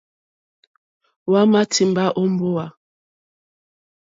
Hwámà tìmbá ó mbówà.